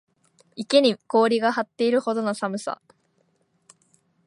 池に氷が張っているほどの寒さ